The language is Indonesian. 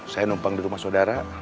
saya numpang di rumah saudara